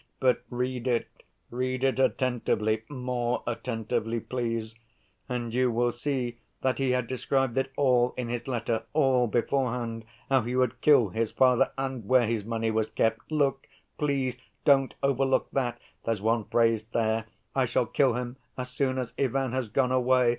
But read it, read it attentively—more attentively, please—and you will see that he had described it all in his letter, all beforehand, how he would kill his father and where his money was kept. Look, please, don't overlook that, there's one phrase there, 'I shall kill him as soon as Ivan has gone away.